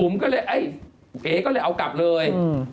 น์ก็เลยเึศก็เลยเอากลับเลย